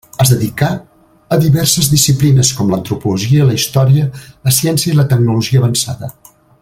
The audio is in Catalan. Es dedicà a diverses disciplines com l’antropologia, la història, la ciència i la tecnologia avançada.